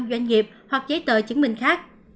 doanh nghiệp hoặc giấy tờ chứng minh khác